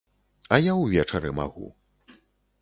А я ўвечары магу.